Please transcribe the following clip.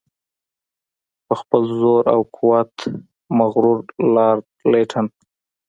په خپل زور او قوت مغرور لارډ لیټن.